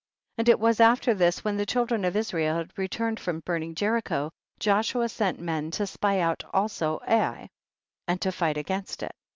25. And it was after this when the children of Israel had returned from burning Jericho, Joshua sent men to spy out also Ai, and to fight against it.